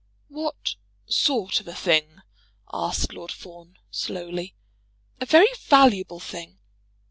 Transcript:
"What sort of a thing?" asked Lord Fawn slowly. "A very valuable thing.